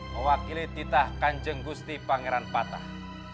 mewakili titah kanjeng gusti pangeran patah